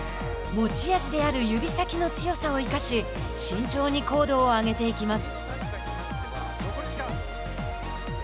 持ち味である指先の強さを生かし慎重に高度を上げていきます。